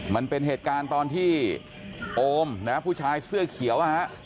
มันเป็นเหตุการณ์ตอนที่โอมนะฮะผู้ชายเสื้อเขียว